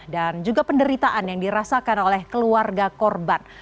juga penderitaan yang dirasakan oleh keluarga korban